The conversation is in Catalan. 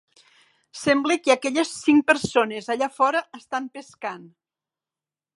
Sembla que aquelles cinc persones allà fora estan pescant.